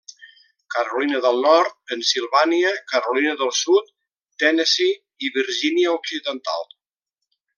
Carolina del Nord, Pennsilvània, Carolina del Sud, Tennessee i Virgínia Occidental.